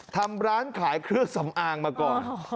ทำร้านขายเครื่องสำอางมาก่อน